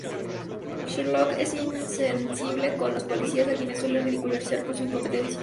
Sherlock es insensible con los policías, a quienes suele ridiculizar por su incompetencia.